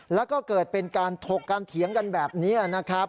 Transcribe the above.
แล้วก็เกิดเป็นการถกการเถียงกันแบบนี้นะครับ